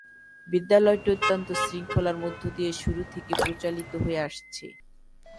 বিদ্যালয়টি অত্যন্ত শৃঙ্খলার মধ্য দিয়ে শুরু থেকে পরিচালিত হয়ে আসছে।